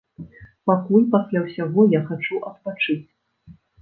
Пакуль пасля ўсяго я хачу адпачыць.